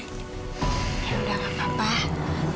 ya udah gak apa apa